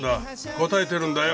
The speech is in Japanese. こたえてるんだよ。